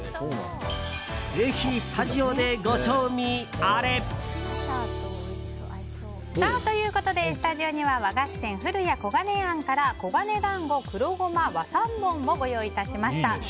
ぜひ、スタジオでご賞味あれ！ということでスタジオには和菓子店ふるや古賀音庵から古賀音だんご黒胡麻和三盆をご用意いたしました。